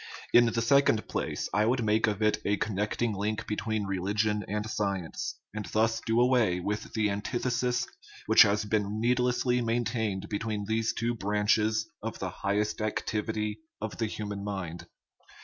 In the second place, I would make of it a connecting link between re ligion and science, and thus do away with the antith esis which has been needlessly maintained between these two branches of the highest activity of the hu man mind.